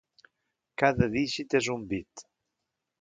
Cada dígit és un bit.